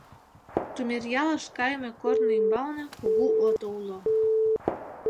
Тумеръялыш кайыме корно ӱмбалне кугу ото уло.